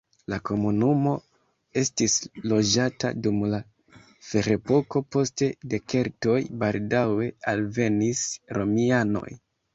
La komunumo estis loĝata dum la ferepoko, poste de keltoj, baldaŭe alvenis romianoj.